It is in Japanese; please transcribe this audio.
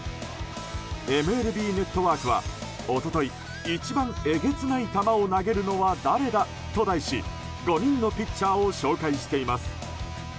ＭＬＢネットワークは一昨日「一番えげつない球を投げるのは誰だ」と題し５人のピッチャーを紹介しています。